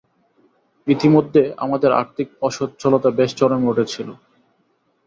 ইতিমধ্যে আমাদের আর্থিক অসচ্ছলতা বেশ চরমে উঠেছিল।